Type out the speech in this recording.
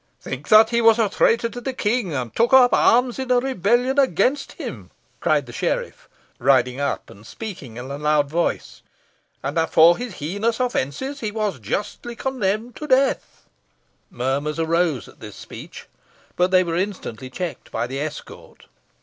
"Think that he was a traitor to the king, and took up arms in rebellion against him," cried the sheriff, riding up, and speaking in a loud voice; "and that for his heinous offences he was justly condemned to death." Murmurs arose at this speech, but they were instantly checked by the escort.